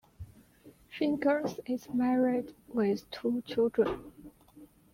Fingers is married with two children.